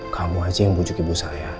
kamu aja yang bujuk ibu saya